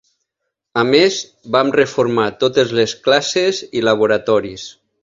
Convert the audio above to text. A més, van reformar totes les classes i laboratoris.